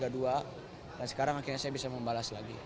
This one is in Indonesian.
dan sekarang akhirnya saya bisa membalas lagi